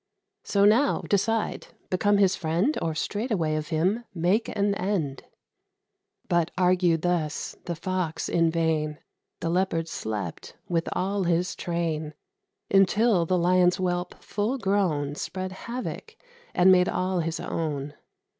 So, now, decide: become his friend, Or straightway of him make an end." But argued thus the Fox in vain: The Leopard slept, with all his train, Until the Lion's whelp, full grown, Spread havoc, and made all his own.